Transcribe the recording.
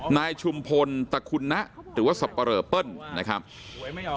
นายชุมพลตะคุณะหรือว่าสับปะเรอเปิ้ล